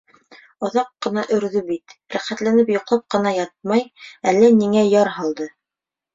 Оҙаҡ ҡына өрҙө бит, рәхәтләнеп йоҡлап ятмай әллә ниңә яр һалды.